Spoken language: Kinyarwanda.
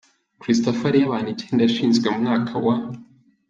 Christafari y’abantu icyenda yashinzwe mu mwaka wa